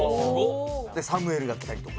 サムエルが来たりとか。